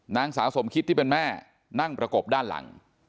นางสาวสมคิดที่เป็นแม่นั่งประกบด้านหลัง